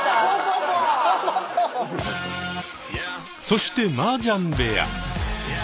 そしてマージャン部屋。